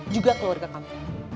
juga keluarga kamu